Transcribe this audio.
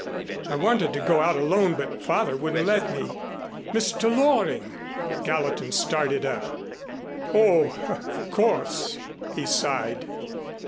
I wanted to go out alone, but father wouldn't let me " "Mr. Loring!" Gallatin started up. "Oh, of course!" he sighed.